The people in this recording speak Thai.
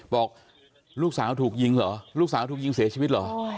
บอกลูกสาวถูกยิงเหรอลูกสาวถูกยิงเสียชีวิตเหรอ